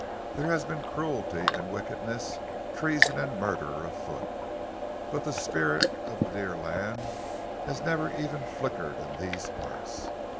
There has been cruelty and wickedness, treason and murder afoot, but the spirit of the dear land has never even flickered in these parts.